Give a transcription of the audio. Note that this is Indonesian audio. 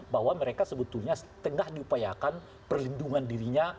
bahwa mereka sebetulnya tengah diupayakan perlindungan dirinya